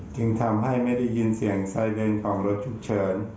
จึงทำให้ไม่ได้ยินเสียงไซเรนของรถฉุกเฉิน